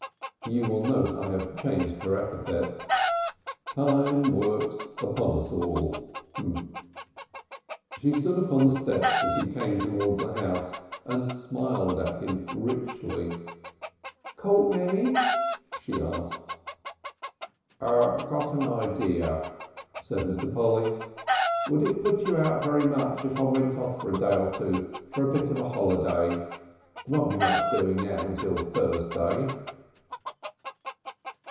(You will note I have changed her epithet. Time works upon us all.) She stood upon the steps as he came towards the house, and smiled at him richly. "Caught many?" she asked. "Got an idea," said Mr. Polly. "Would it put you out very much if I went off for a day or two for a bit of a holiday? There won't be much doing now until Thursday."